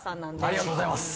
ありがとうございます。